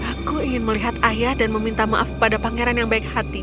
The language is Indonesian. aku ingin melihat ayah dan meminta maaf kepada pangeran yang baik hati